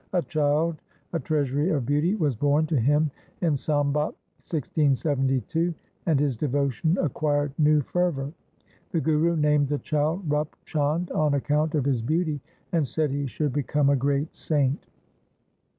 A child, a treasury of beauty, was born to him in Sambat 1672, and his devotion acquired new fervour. The Guru named the child Rup Chand on account of his beauty, and said he should become a great saint.